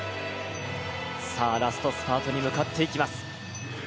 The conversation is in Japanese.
ラストスパートに向かっていきます。